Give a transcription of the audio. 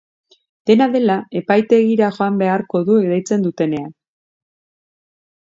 Dena dela, epaitegira joan beharko du deitzen dutenean.